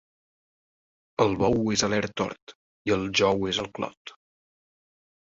El bou és a l'ert hort, i el jou és al clot.